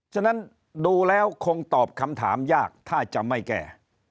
ฉะนั้นดูแล้วคงตอบคำถามยากถ้าจะไม่แก้